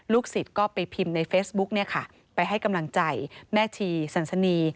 ลูกศิษย์ก็ไปพิมพ์ในเฟสบุ๊คไปให้กำลังใจแม่ชีสรรสนีย